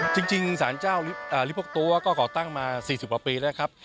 จริงสารเจ้าลิโพกตัวก็ก่อตั้งมา๔๐กว่าปีแล้วครับ